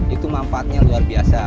itu manfaatnya luar biasa